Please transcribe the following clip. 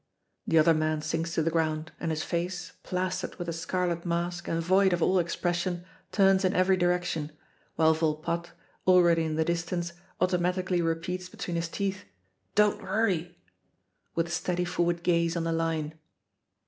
The other man sinks to the ground, and his face, plastered with a scarlet mask and void of all expression, turns in every direction; while Volpatte, already in the distance, automatically repeats between his teeth, "Don't worry," with a steady forward gaze on the line.